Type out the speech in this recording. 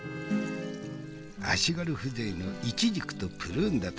足軽風情のイチジクとプルーンだと？